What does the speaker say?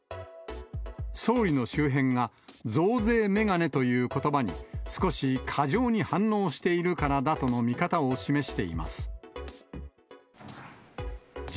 総理の周辺が増税メガネということばに、少し過剰に反応してるからだとの見方を示しています。